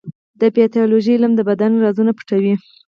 د پیتالوژي علم د بدن رازونه پټوي.